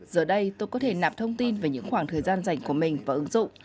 giờ đây tôi có thể nạp thông tin về những khoảng thời gian dành của mình và ứng dụng